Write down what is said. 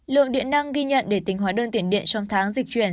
lượng điện năng ghi nhận để tính hóa đơn tiền điện trong tháng dịch chuyển